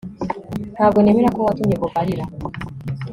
Ntabwo nemera ko watumye Bobo arira